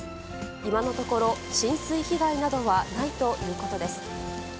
今のところ、浸水被害などはないということです。